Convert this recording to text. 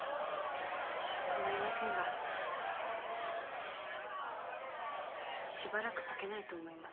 構いませんがしばらく書けないと思います。